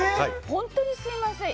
本当にすみません。